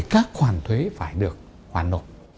các khoản thuế phải được hoàn nộp